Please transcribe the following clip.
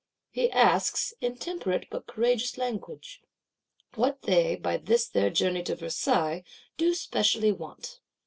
He asks, in temperate but courageous language: What they, by this their journey to Versailles, do specially want?